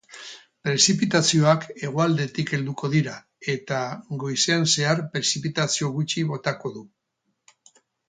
Prezipitazioak hegoaldetik helduko dira eta, goizean zehar prezipitazio gutxi botako du.